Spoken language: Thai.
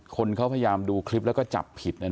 คนเขาพยายามดูคลิปแล้วก็จับผิด